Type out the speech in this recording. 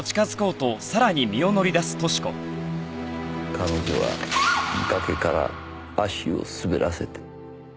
彼女は崖から足を滑らせた。